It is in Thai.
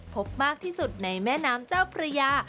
พบมากที่สุดในแม่น้ำเจ้าพระยา